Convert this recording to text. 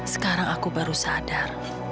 sekarang aku baru sadar